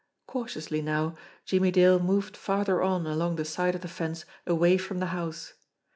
Cautiously now, Jimmie Dale moved farther on along the side of the fence away from the house.